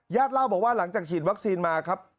เล่าบอกว่าหลังจากฉีดวัคซีนมาครับ